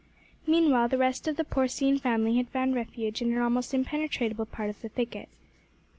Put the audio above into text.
Meanwhile the rest of the porcine family had found refuge in an almost impenetrable part of the thicket.